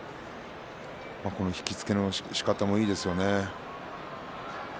この引き付けのしかたもいいですよね。